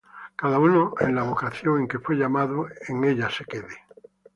Cada uno en la vocación en que fué llamado, en ella se quede.